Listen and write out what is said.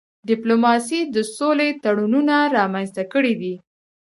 ډيپلوماسي د سولې تړونونه رامنځته کړي دي.